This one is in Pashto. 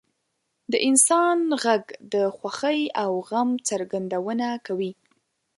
• د انسان ږغ د خوښۍ او غم څرګندونه کوي.